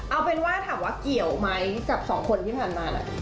เอาเป็นว่าถามว่าเกี่ยวไหมกับสองคนที่ผ่านมา